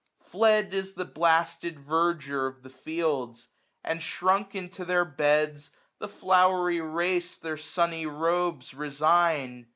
995 Fled is the blasted verdure of the fields j And, shrunk into their beds, the flowery race Their sunny robes resign.